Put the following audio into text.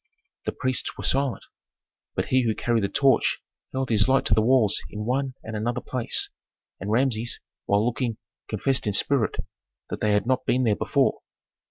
The priests were silent, but he who carried the torch held his light to the walls in one and another place, and Rameses, while looking, confessed in spirit that they had not been there before.